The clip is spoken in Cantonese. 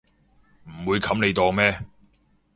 唔會冚你檔咩